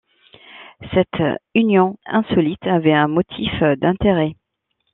Cette union insolite avait un motif d'intérêt.